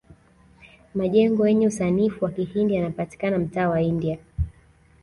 majengo yenye usanifu wa kihindi yanapatikana mtaa wa india